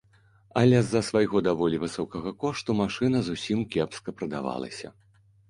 Але з-за свайго даволі высокага кошту машына зусім кепска прадавалася.